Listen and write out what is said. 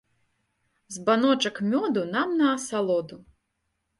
Збаночак мёду нам на асалоду.